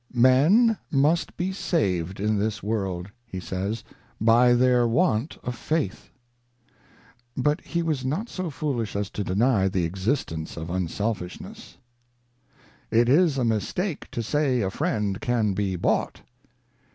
' Men must be saved in this World ', he says, ' by their Want of Faith '; but he was not so foolish as to deny the existence of un selfishness. ' It is a Mistake to say a Friend can be bought.'